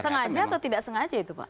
sengaja atau tidak sengaja itu pak